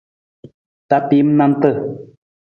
Tapiim nanta.